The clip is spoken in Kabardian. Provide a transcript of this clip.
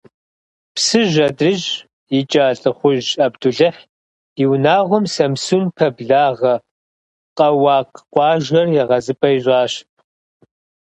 Псыжь адрыщӀ икӀа ЛӀыхужь Абдулыхь и унагъуэм Самсун пэблагъэ Къэуакъ къуажэр егъэзыпӀэ ищӀащ.